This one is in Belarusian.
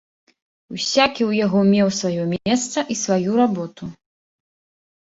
Усякі ў яго меў сваё месца і сваю работу.